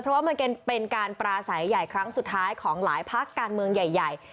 เพราะว่ามันเป็นการปราศัยใหญ่ครั้งสุดท้ายของหลายพักการเมืองใหญ่